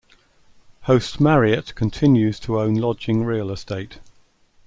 Host Marriott continues to own lodging real estate.